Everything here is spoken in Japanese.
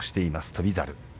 翔猿。